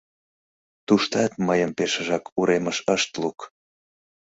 Туштат мыйым пешыжак уремыш ышт лук.